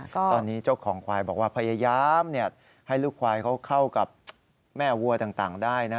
ตอนนี้เจ้าของควายบอกว่าพยายามให้ลูกควายเขาเข้ากับแม่วัวต่างได้นะ